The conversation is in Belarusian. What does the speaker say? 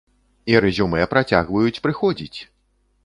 І рэзюмэ працягваюць прыходзіць!